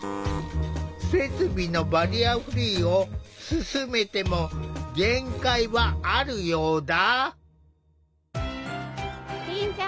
設備のバリアフリーを進めても限界はあるようだ。